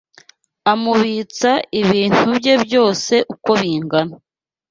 amubitsa ibintu bye byose uko bingana